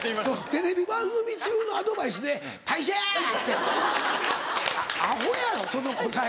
テレビ番組中のアドバイスで「退社や！」ってアホやろその答え。